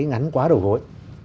ngắn quá đổ gối